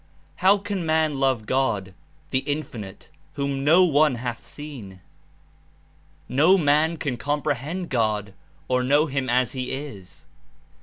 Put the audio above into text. How can man love God, the Infinite, whom no one hath seen? No man can comprehend God or know him as he Is.